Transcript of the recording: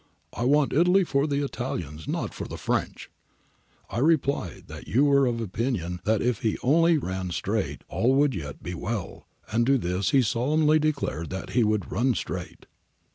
I want Italy for the Italians, not for the French:' I replied, that you were of opinion that if he only ran straight all would yet be well, and to this he solemnly declared that he would run straight!